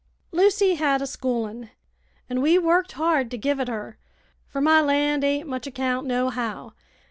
"Lucy had a schoolin', an' we worked hard to give it her, fer my land ain't much account, nohow.